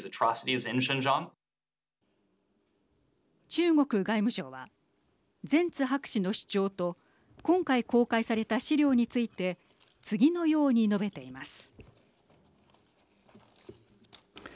中国外務省はゼンツ博士の主張と今回公開された資料について次のように述べています。